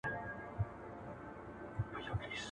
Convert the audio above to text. نو ځکه د لمانځني وړ مځکي